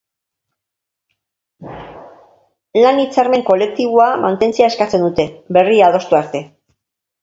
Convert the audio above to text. Lan-hitzarmen kolektiboa mantentzea eskatzen dute, berria adostu arte.